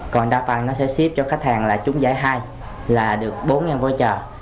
còn đa phần nó sẽ ship cho khách hàng là trúng giải hai là được bốn vô trợ